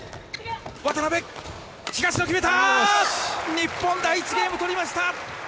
日本第１ゲーム、取りました！